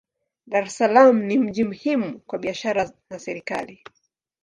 Dar es Salaam ni mji muhimu kwa biashara na serikali.